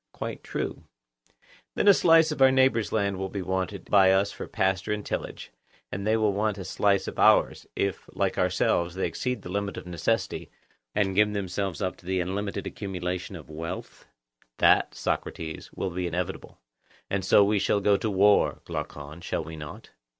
Quite true. Then a slice of our neighbours' land will be wanted by us for pasture and tillage, and they will want a slice of ours, if, like ourselves, they exceed the limit of necessity, and give themselves up to the unlimited accumulation of wealth? That, Socrates, will be inevitable. And so we shall go to war, Glaucon. Shall we not?